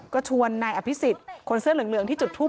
ก็ชวนแบบแบบอภิกษิคนเสื้อเหลืองที่จุดทุบ